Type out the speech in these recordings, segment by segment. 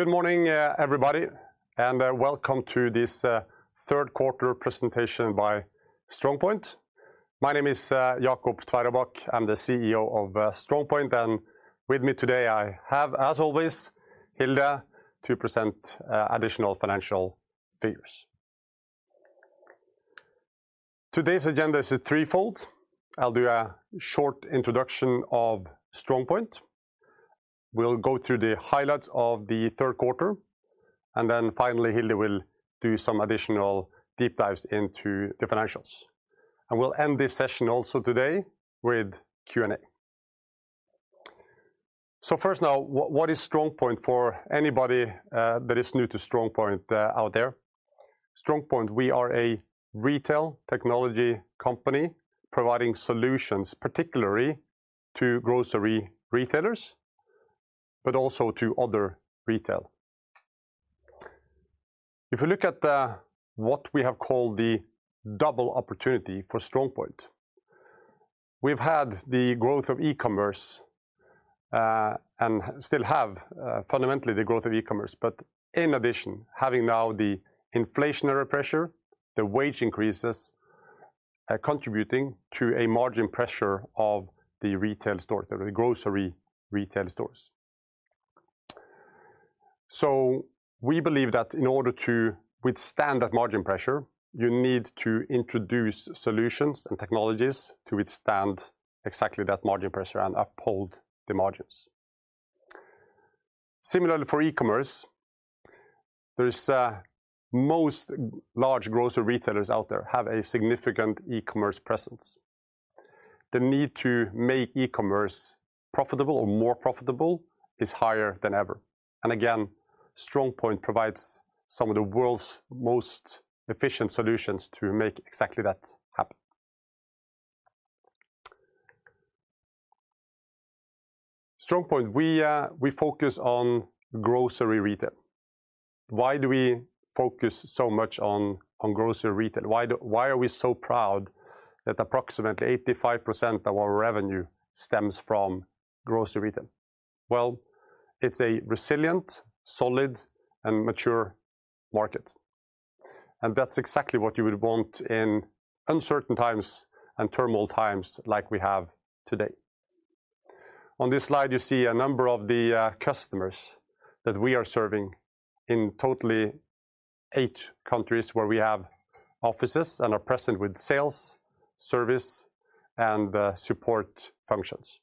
Good morning, everybody, and welcome to this third quarter presentation by StrongPoint. My name Jacob Tveraabak. i'm the CEO of StrongPoint, and with me today I have, as always, Hilde to present additional financial figures. Today's agenda is a threefold. I'll do a short introduction of StrongPoint. We'll go through the highlights of the third quarter, and then finally, Hilde will do some additional deep dives into the financials. We'll end this session also today with Q&A. First now, what is StrongPoint for anybody that is new to StrongPoint out there. StrongPoint, we are a retail technology company providing solutions, particularly to grocery retailers, but also to other retail. If you look at the... What we have called the double opportunity for StrongPoint, we've had the growth of e-commerce and still have fundamentally the growth of e-commerce, but in addition, having now the inflationary pressure, the wage increases contributing to a margin pressure of the retail stores or the grocery retail stores. We believe that in order to withstand that margin pressure, you need to introduce solutions and technologies to withstand exactly that margin pressure and uphold the margins. Similarly for e-commerce, there's most large grocery retailers out there have a significant e-commerce presence. The need to make e-commerce profitable or more profitable is higher than ever, and again, StrongPoint provides some of the world's most efficient solutions to make exactly that happen. StrongPoint, we focus on grocery retail. Why do we focus so much on grocery retail? Why are we so proud that approximately 85% of our revenue stems from grocery retail? Well, it's a resilient, solid, and mature market, and that's exactly what you would want in uncertain times and turmoil times like we have today. On this slide, you see a number of the customers that we are serving in total eight countries where we have offices and are present with sales, service, and support functions.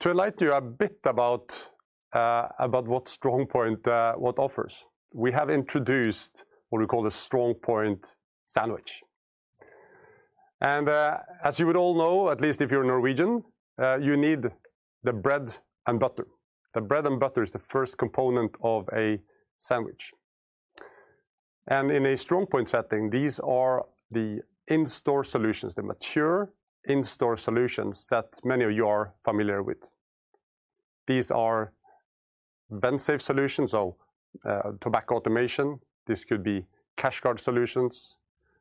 To enlighten you a bit about what StrongPoint offers, we have introduced what we call the StrongPoint sandwich, and as you would all know, at least if you're Norwegian, you need the bread and butter. The bread and butter is the first component of a sandwich. In a StrongPoint setting, these are the in-store solutions, the mature in-store solutions that many of you are familiar with. These are Vensafe solutions or tobacco automation. This could be CashGuard solutions,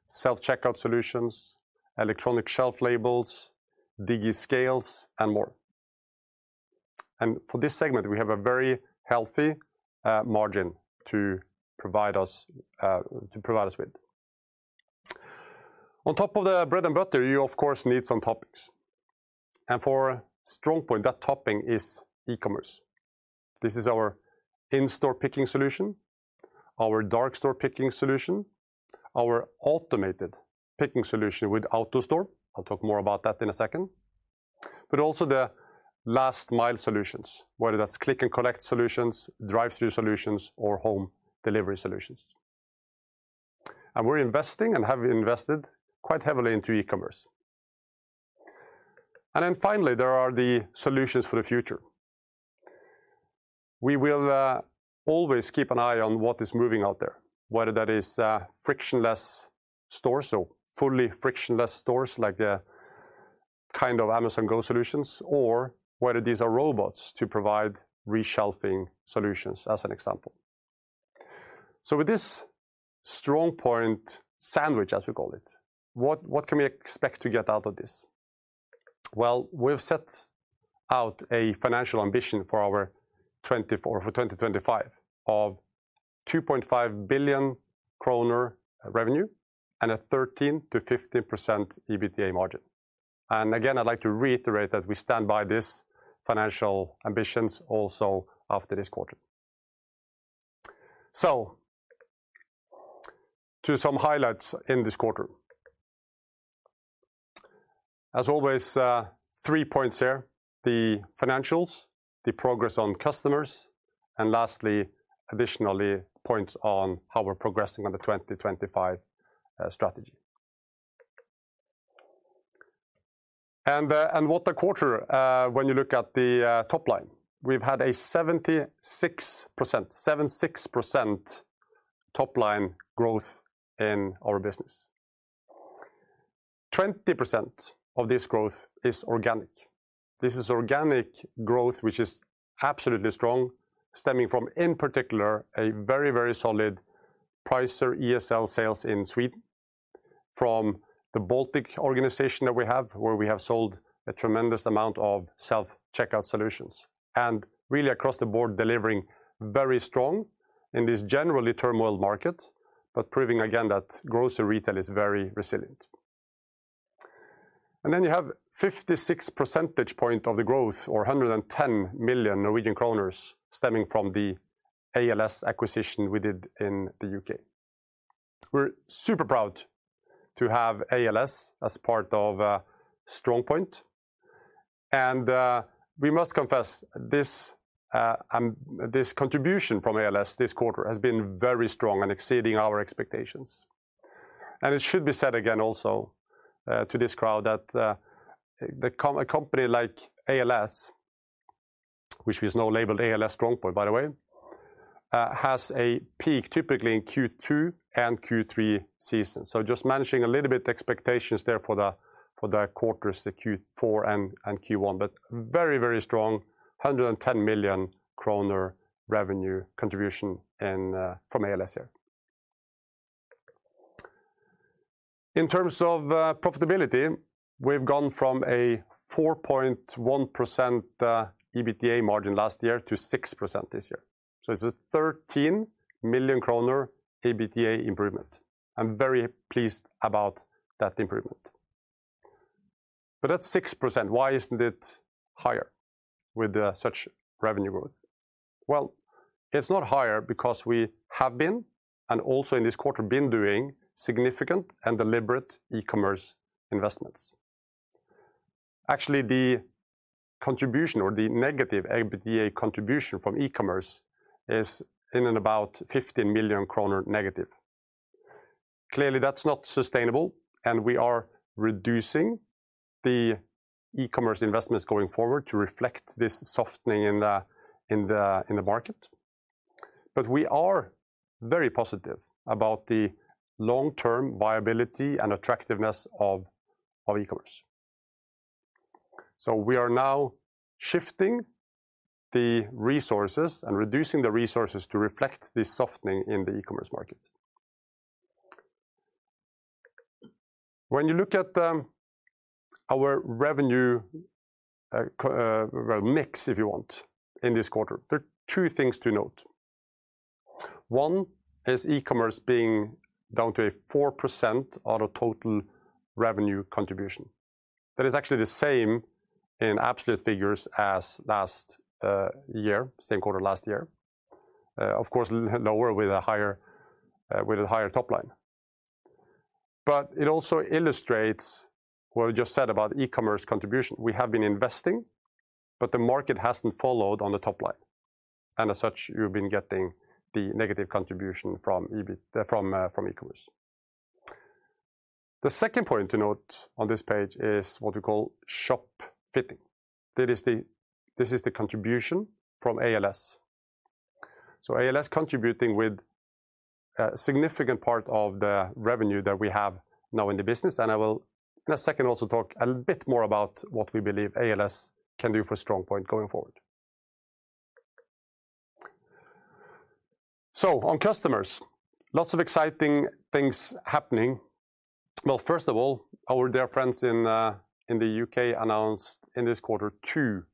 Self-Checkout solutions, Electronic Shelf Labels, Digi scales, and more. For this segment, we have a very healthy margin to provide us with. On top of the bread and butter, you of course need some toppings, and for StrongPoint, that topping is e-commerce. This is our in-store picking solution, our dark store picking solution, our automated picking solution with AutoStore. I'll talk more about that in a second. Also the last mile solutions, whether that's Click and Collect solutions, drive-through solutions or home delivery solutions. We're investing and have invested quite heavily into e-commerce. Finally, there are the solutions for the future. We will always keep an eye on what is moving out there, whether that is frictionless stores, so fully frictionless stores like the kind of Amazon Go solutions, or whether these are robots to provide reshelving solutions, as an example. With this StrongPoint sandwich, as we call it, what can we expect to get out of this? Well, we've set out a financial ambition for 2025 of NOK 2.5 billion revenue and a 13%-15% EBITDA margin. Again, I'd like to reiterate that we stand by these financial ambitions also after this quarter. To some highlights in this quarter. As always, three points here, the financials, the progress on customers, and lastly, additionally, points on how we're progressing on the 2025 strategy. What a quarter when you look at the top line. We've had a 76% top-line growth in our business. 20% of this growth is organic. This is organic growth, which is absolutely strong, stemming from, in particular, a very, very solid Pricer ESL sales in Sweden. From the Baltic organization that we have, where we have sold a tremendous amount of self-checkout solutions, and really across the board, delivering very strong in this generally turmoil market, but proving again that grocery retail is very resilient. Then you have 56 percentage point of the growth or 110 million Norwegian kroner stemming from the ALS acquisition we did in the U.K. We're super proud to have ALS as part of StrongPoint. We must confess this contribution from ALS this quarter has been very strong and exceeding our expectations. It should be said again also to this crowd that a company like ALS, which is now labeled ALS StrongPoint, by the way, has a peak typically in Q2 and Q3 season. Just managing a little bit the expectations there for the quarters, Q4 and Q1. Very strong 110 million kroner revenue contribution from ALS here. In terms of profitability, we've gone from a 4.1% EBITDA margin last year to 6% this year. It's a 13 million kroner EBITDA improvement. I'm very pleased about that improvement. That's 6%. Why isn't it higher with such revenue growth? Well, it's not higher because we have been and also in this quarter been doing significant and deliberate e-commerce investments. Actually, the contribution or the negative EBITDA contribution from e-commerce is in and about 15 million kroner-. Clearly, that's not sustainable, and we are reducing the e-commerce investments going forward to reflect this softening in the market. We are very positive about the long-term viability and attractiveness of e-commerce. We are now shifting the resources and reducing the resources to reflect this softening in the e-commerce market. When you look at our revenue, well, mix, if you want, in this quarter, there are two things to note. One is e-commerce being down to a 4% out of total revenue contribution. That is actually the same in absolute figures as last year, same quarter last year. Of course, lower with a higher top line. It also illustrates what we just said about e-commerce contribution. We have been investing, but the market hasn't followed on the top line. As such, you've been getting the negative contribution from e-commerce. The second point to note on this page is what we call shopfitting. That is the contribution from ALS. ALS contributing with a significant part of the revenue that we have now in the business. I will, in a second, also talk a bit more about what we believe ALS can do for StrongPoint going forward. On customers, lots of exciting things happening. Well, first of all, our dear friends in the U.K. announced in this quarter two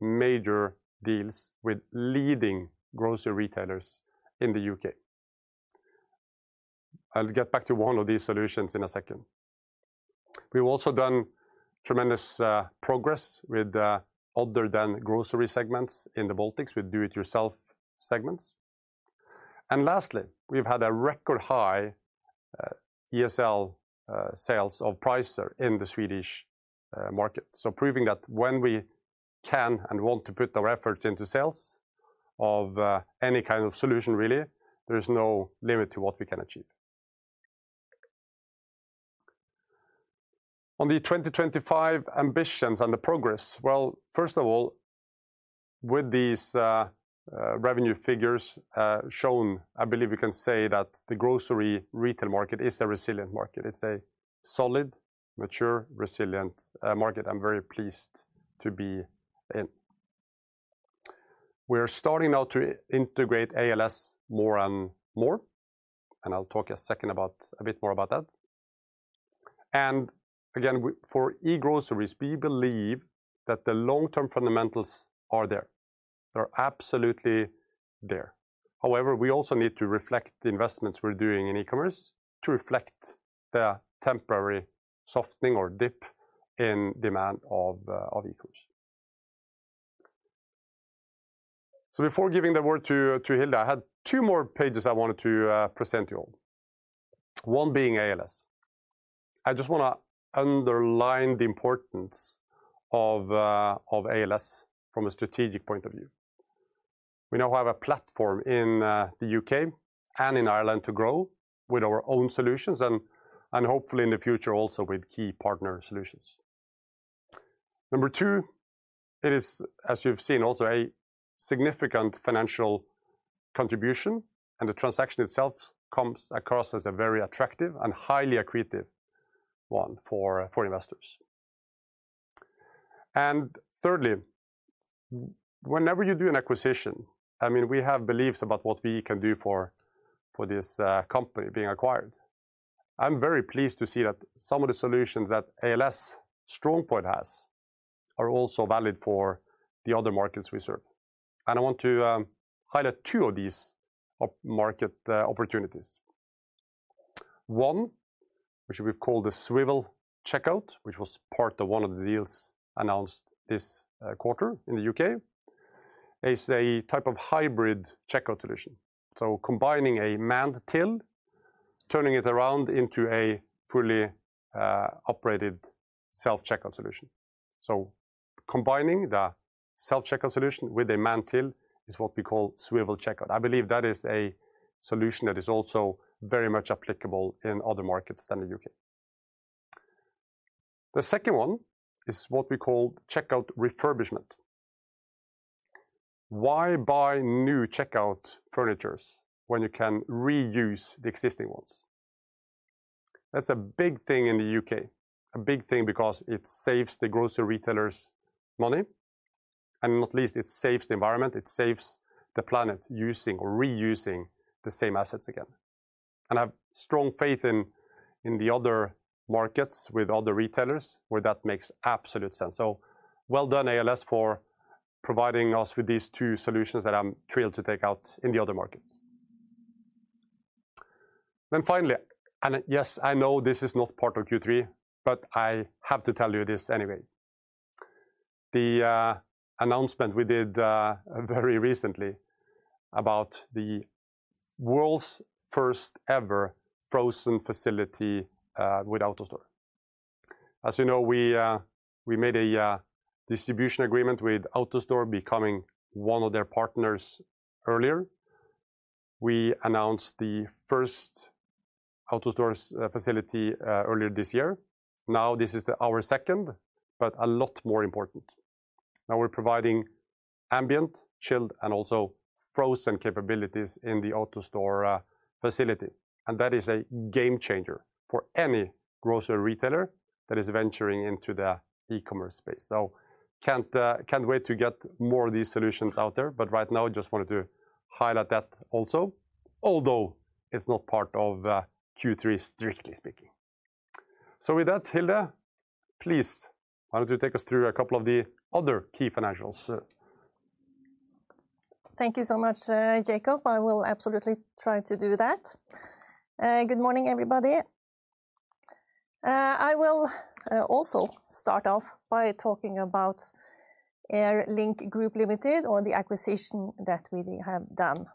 major deals with leading grocery retailers in the U.K. I'll get back to one of these solutions in a second. We've also done tremendous progress with other than grocery segments in the Baltics with do-it-yourself segments. Lastly, we've had a record high ESL sales of Pricer in the Swedish market. Proving that when we can and want to put the efforts into sales of any kind of solution, really, there is no limit to what we can achieve. On the 2025 ambitions and the progress, well, first of all, with these revenue figures shown, I believe we can say that the grocery retail market is a resilient market. It's a solid, mature, resilient market I'm very pleased to be in. We are starting now to integrate ALS more and more, and I'll talk a second about a bit more about that. Again, for e-groceries, we believe that the long-term fundamentals are there. They're absolutely there. However, we also need to reflect the investments we're doing in e-commerce to reflect the temporary softening or dip in demand of e-commerce. Before giving the word to Hilde, I had two more pages I wanted to present you all. One being ALS. I just wanna underline the importance of ALS from a strategic point of view. We now have a platform in the U.K. And in Ireland to grow with our own solutions and hopefully in the future also with key partner solutions. Number two, it is, as you've seen, also a significant financial contribution, and the transaction itself comes across as a very attractive and highly accretive one for investors. Thirdly, whenever you do an acquisition, I mean, we have beliefs about what we can do for this company being acquired. I'm very pleased to see that some of the solutions that ALS StrongPoint has are also valid for the other markets we serve. I want to highlight two of these opportunities. One, which we call the swivel checkout, which was part of one of the deals announced this quarter in the U.K., is a type of hybrid checkout solution. So combining a manned till, turning it around into a fully operated self-checkout solution. So combining the self-checkout solution with a manned till is what we call swivel checkout. I believe that is a solution that is also very much applicable in other markets than the U.K. The second one is what we call Checkout Refurbishment. Why buy new checkout furniture when you can reuse the existing ones? That's a big thing in the U.K., a big thing because it saves the grocery retailers money, and not least it saves the environment, it saves the planet using or reusing the same assets again. I have strong faith in the other markets with other retailers where that makes absolute sense. Well done, ALS, for providing us with these two solutions that I'm thrilled to take out in the other markets. Finally, and yes, I know this is not part of Q3, but I have to tell you this anyway. The announcement we did very recently about the world's first ever frozen facility with AutoStore. As you know, we made a distribution agreement with AutoStore becoming one of their partners earlier. We announced the first AutoStore's facility earlier this year. Now this is our second, but a lot more important. Now we're providing ambient, chilled, and also frozen capabilities in the AutoStore facility, and that is a game changer for any grocery retailer that is venturing into the e-commerce space. Can't wait to get more of these solutions out there, but right now I just wanted to highlight that also, although it's not part of Q3, strictly speaking. With that, Hilde, please why don't you take us through a couple of the other key financials? Thank you so much, Jacob. I will absolutely try to do that. Good morning, everybody. I will also start off by talking about Air Link Group Limited or the acquisition that we have done.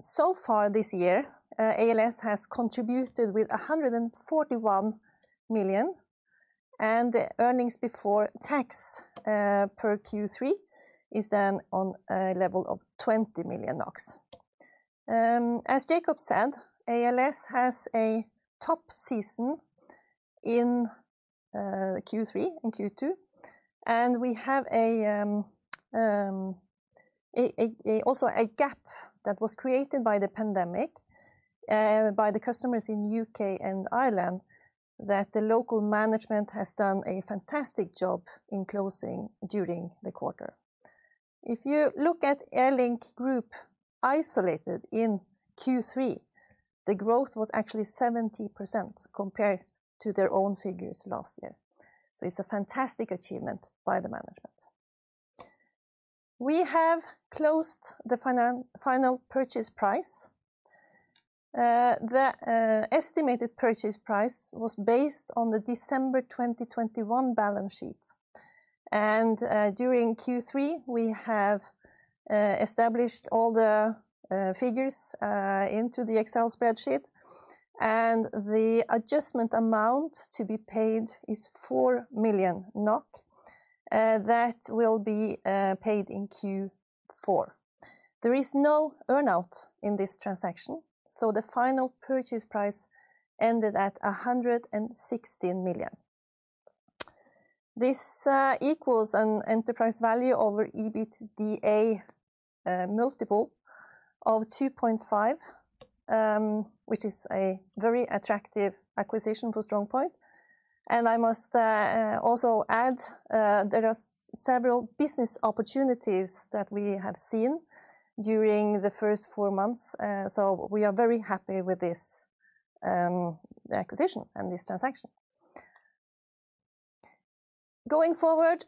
So far this year, ALS has contributed with 141 million, and the earnings before tax per Q3 is then on a level of 20 million NOK. As Jacob said, ALS has a top season in Q3 and Q2, and we have also a gap that was created by the pandemic by the customers in U.K. and Ireland that the local management has done a fantastic job in closing during the quarter. If you look at Air Link Group isolated in Q3, the growth was actually 70% compared to their own figures last year. It's a fantastic achievement by the management. We have closed the final purchase price. The estimated purchase price was based on the December 2021 balance sheet. During Q3, we have established all the figures into the Excel spreadsheet, and the adjustment amount to be paid is 4 million NOK. That will be paid in Q4. There is no earn-out in this transaction, so the final purchase price ended at 116 million. This equals an enterprise value over EBITDA multiple of 2.5, which is a very attractive acquisition for StrongPoint. I must also add, there are several business opportunities that we have seen during the first four months, so we are very happy with this acquisition and this transaction. Going forward,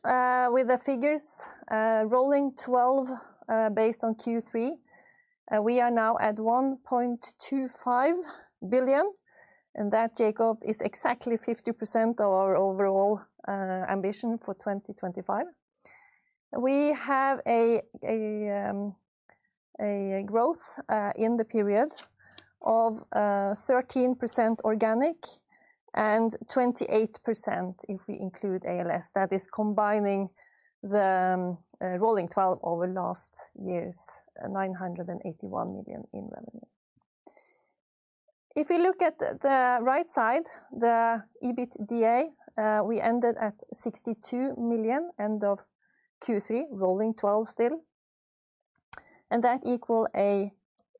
with the figures, rolling twelve, based on Q3, we are now at 1.25 billion, and that, Jacob, is exactly 50% of our overall ambition for 2025. We have a growth in the period of 13% organic and 28% if we include ALS. That is combining the rolling twelve over last year's 981 million in revenue. If you look at the right side, the EBITDA, we ended at 62 million end of Q3, rolling twelve, still. That equals an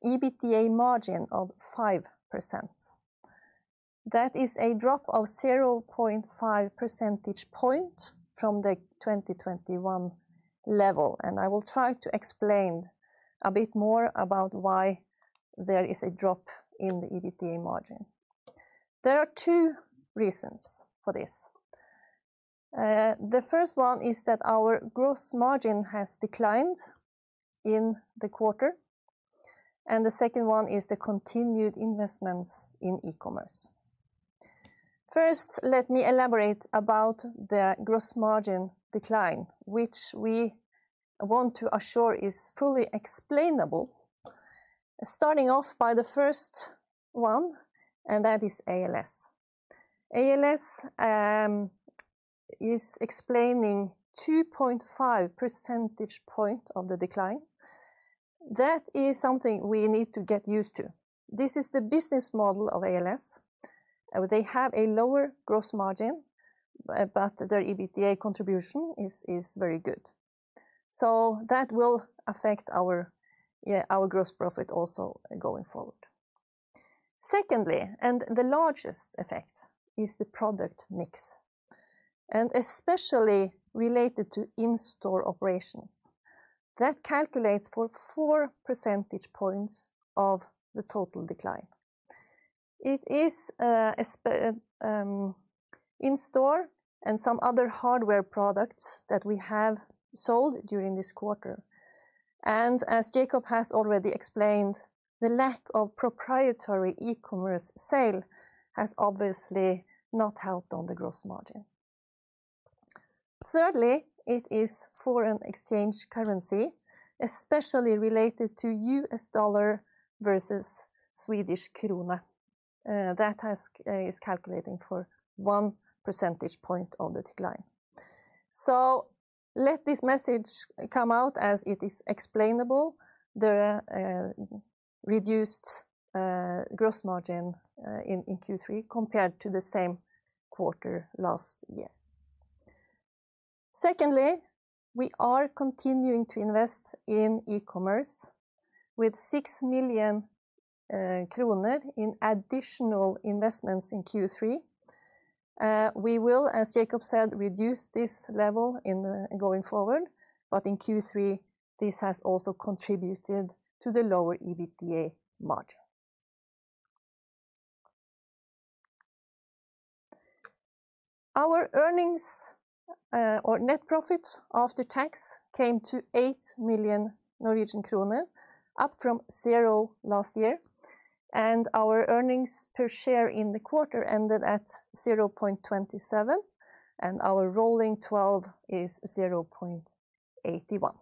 EBITDA margin of 5%. That is a drop of 0.5 percentage point from the 2021 level, and I will try to explain a bit more about why there is a drop in the EBITDA margin. There are two reasons for this. The first one is that our gross margin has declined in the quarter, and the second one is the continued investments in e-commerce. First, let me elaborate about the gross margin decline, which we want to assure is fully explainable, starting off by the first one, and that is ALS. ALS is explaining 2.5 percentage point of the decline. That is something we need to get used to. This is the business model of ALS. They have a lower gross margin, but their EBITDA contribution is very good. That will affect our gross profit also going forward. Secondly, and the largest effect is the product mix, and especially related to in-store operations. That accounts for four percentage points of the total decline. It is ESL, in-store and some other hardware products that we have sold during this quarter. As Jacob has already explained, the lack of proprietary e-commerce sale has obviously not helped on the gross margin. Thirdly, it is foreign exchange currency, especially related to US dollar versus Swedish krona, that is accounting for one percentage point of the decline. Let this message come out as it is explainable, the reduced gross margin in Q3 compared to the same quarter last year. Secondly, we are continuing to invest in e-commerce with 6 million kroner in additional investments in Q3. We will, as Jacob said, reduce this level going forward, but in Q3 this has also contributed to the lower EBITDA margin. Our earnings or net profit after tax came to 8 million Norwegian kroner, up from zero last year, and our earnings per share in the quarter ended at 0.27, and our rolling 12 is 0.81.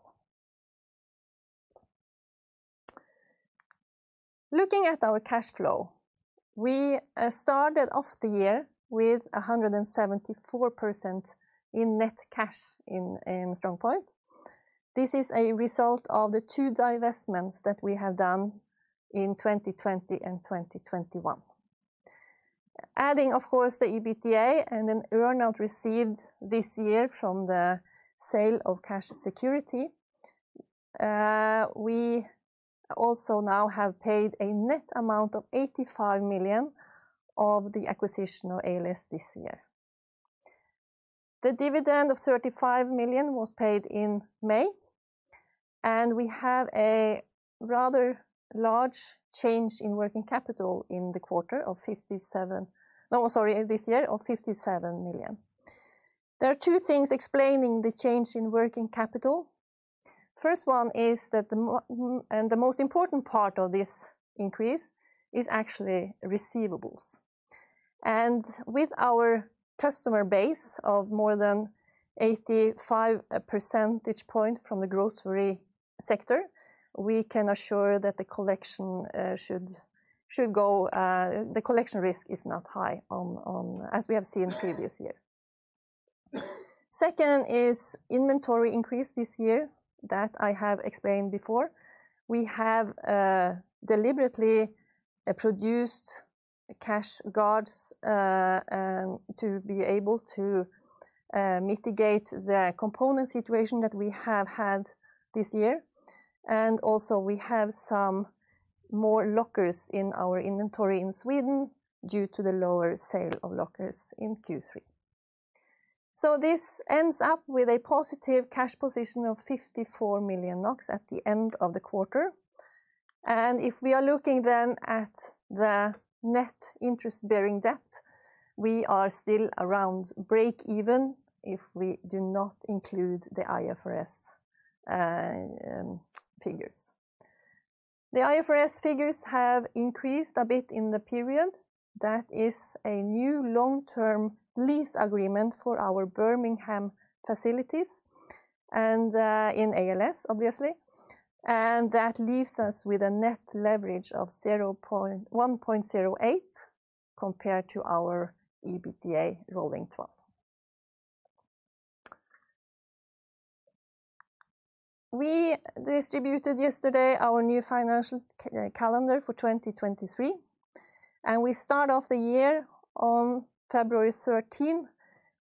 Looking at our cash flow, we started off the year with 174% in net cash in StrongPoint. This is a result of the two divestments that we have done in 2020 and 2021. Adding, of course, the EBITDA and an earnout received this year from the sale of Cash Security, we also now have paid a net amount of 85 million of the acquisition of ALS this year. The dividend of 35 million was paid in May, and we have a rather large change in working capital this year of 57 million. There are two things explaining the change in working capital. First one is that the most important part of this increase is actually receivables. With our customer base of more than 85% from the grocery sector, we can assure that the collection should go. The collection risk is not high on as we have seen previous year. Second is inventory increase this year that I have explained before. We have deliberately produced CashGuard to be able to mitigate the component situation that we have had this year. We also have some more lockers in our inventory in Sweden due to the lower sale of lockers in Q3. This ends up with a positive cash position of 54 million NOK at the end of the quarter. If we are looking then at the net interest-bearing debt, we are still around break even if we do not include the IFRS figures. The IFRS figures have increased a bit in the period. That is a new long-term lease agreement for our Birmingham facilities and in ALS obviously. That leaves us with a net leverage of 0.108 compared to our EBITDA rolling 12. We distributed yesterday our new financial calendar for 2023. We start off the year on February thirteenth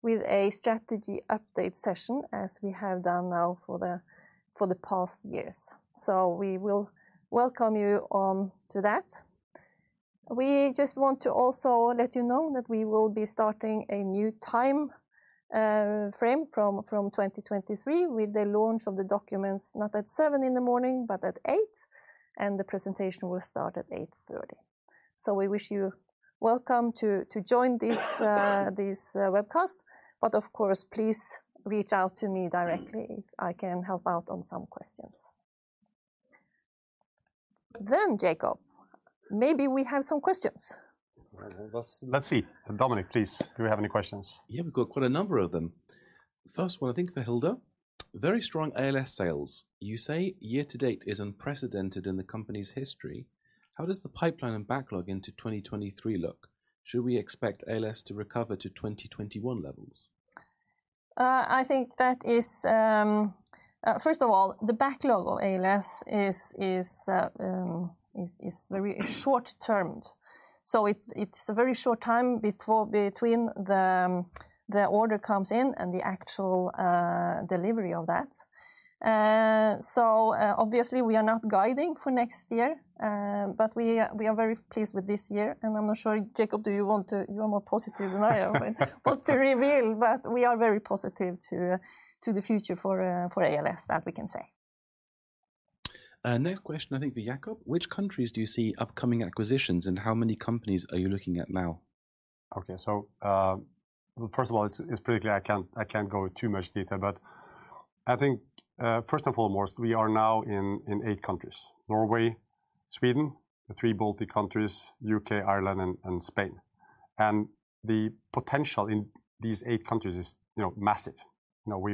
with a strategy update session, as we have done now for the past years. We will welcome you on to that. We just want to also let you know that we will be starting a new time frame from 2023 with the launch of the documents, not at 7:00 A.M., but at 8:00 A.M., and the presentation will start at 8:30 A.M. We wish you welcome to join this webcast, but of course, please reach out to me directly if I can help out on some questions. Jacob, maybe we have some questions. Well, let's see. Dominic, please, do we have any questions? Yeah, we've got quite a number of them. First one, I think for Hilde. Very strong ALS sales. You say year-to-date is unprecedented in the company's history. How does the pipeline and backlog into 2023 look? Should we expect ALS to recover to 2021 levels? I think that is first of all, the backlog of ALS is very short-term. It's a very short time between the order comes in and the actual delivery of that. Obviously we are not guiding for next year, but we are very pleased with this year, and I'm not sure, Jacob. Do you want to? You are more positive than I am with what to reveal, but we are very positive to the future for ALS, that we can say. Next question, I think for Jacob. Which countries do you see upcoming acquisitions, and how many companies are you looking at now? First of all, it's pretty clear I can't go in too much detail. I think first and foremost, we are now in eight countries: Norway, Sweden, the three Baltic countries, U.K., Ireland, and Spain. The potential in these eight countries is, you know, massive. You know,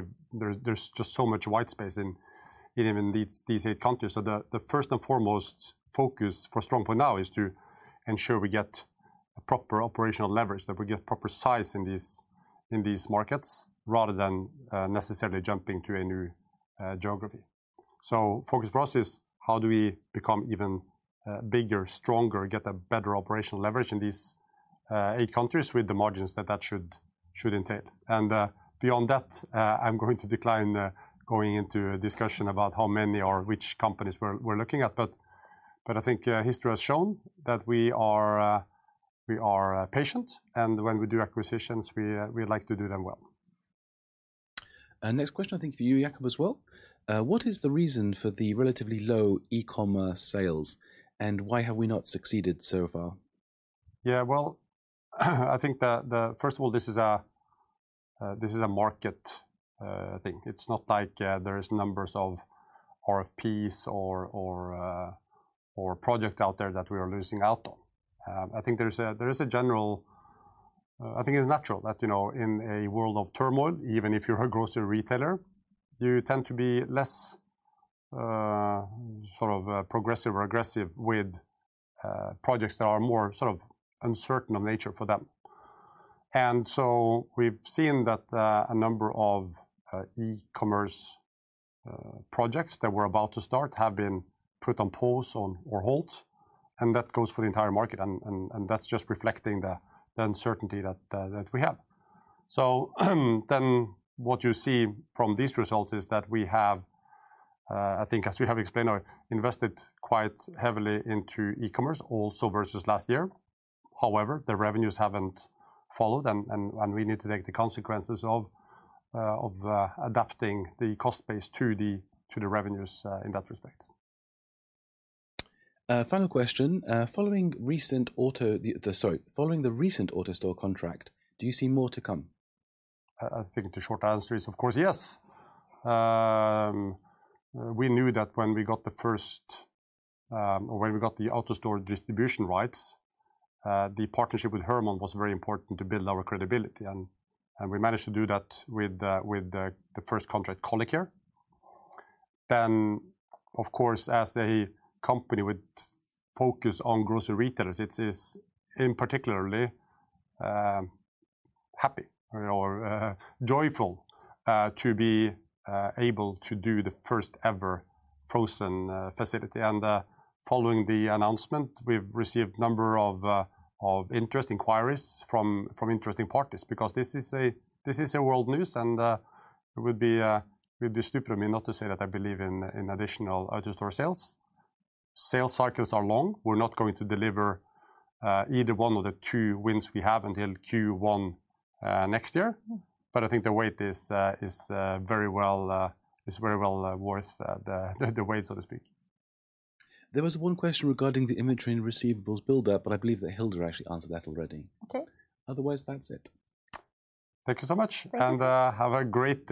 there's just so much white space in even these eight countries. The first and foremost focus for StrongPoint now is to ensure we get a proper operational leverage, that we get proper size in these markets, rather than necessarily jumping to a new geography. Focus for us is how do we become even bigger, stronger, get a better operational leverage in these eight countries with the margins that should entail. Beyond that, I'm going to decline going into a discussion about how many or which companies we're looking at. I think history has shown that we are patient, and when we do acquisitions, we like to do them well. Next question, I think for you, Jakob, as well. What is the reason for the relatively low e-commerce sales, and why have we not succeeded so far? Yeah, well, I think. First of all, this is a market thing. It's not like there is numbers of RFPs or projects out there that we are losing out on. I think there is a general. I think it's natural that, you know, in a world of turmoil, even if you're a grocery retailer, you tend to be less sort of progressive or aggressive with projects that are more sort of uncertain of nature for them. We've seen that a number of e-commerce projects that were about to start have been put on pause or halt, and that goes for the entire market and that's just reflecting the uncertainty that we have. What you see from these results is that we have, I think as we have explained, invested quite heavily into e-commerce also versus last year. However, the revenues haven't followed and we need to take the consequences of adapting the cost base to the revenues in that respect. Final question. Sorry, following the recent AutoStore contract, do you see more to come? I think the short answer is of course yes. We knew that when we got the AutoStore distribution rights, the partnership with Hörmann was very important to build our credibility, and we managed to do that with the first contract, ColliCare. Of course, as a company with focus on grocery retailers, it is particularly joyful to be able to do the first ever frozen facility. Following the announcement, we've received a number of interest inquiries from interesting parties because this is world news, and it would be stupid of me not to say that I believe in additional AutoStore sales. Sales cycles are long. We're not going to deliver either one of the two wins we have until Q1 next year. I think the wait is very well worth the wait, so to speak. There was one question regarding the inventory and receivables buildup, but I believe that Hilde actually answered that already. Okay. Otherwise, that's it. Thank you so much. Thank you. Have a great day.